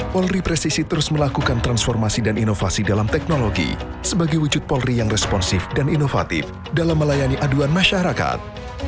polri presisi terus melakukan transformasi dan inovasi dalam teknologi sebagai wujud polri yang responsif dan inovatif dalam melayani aduan masyarakat